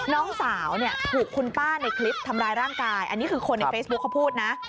น้องสาวเนี่ยถูกคุณป้าในคลิปทำร้ายร่างกายอันนี้คือคนในเฟซบุ๊คเขาพูดนะ